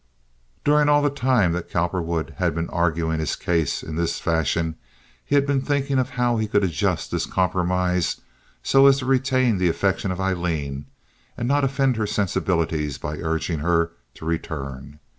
During all the time that Cowperwood had been arguing his case in this fashion he had been thinking how he could adjust this compromise so as to retain the affection of Aileen and not offend her sensibilities by urging her to return.